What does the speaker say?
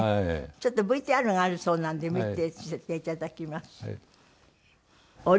ちょっとＶＴＲがあるそうなので見させていただきます。